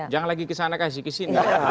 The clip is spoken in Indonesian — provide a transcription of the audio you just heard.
jangan lagi kesana kasih kesini